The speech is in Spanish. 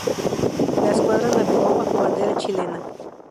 La escuadra navegó bajo bandera chilena.